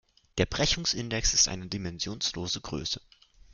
Der Brechungsindex ist eine dimensionslose Größe.